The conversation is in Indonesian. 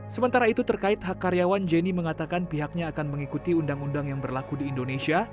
sementara itu terkait hak karyawan jenny mengatakan pihaknya akan mengikuti undang undang yang berlaku di indonesia